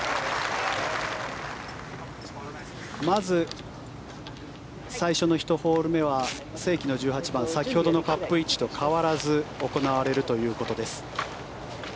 まず、最初の１ホール目は正規の１８番先ほどのカップ位置と変わらず行われるということです。